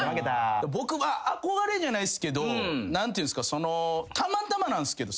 僕は憧れじゃないっすけど何ていうんすかたまたまなんすけど。